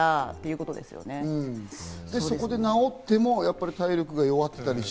そこで治っても体力が弱ってたりして。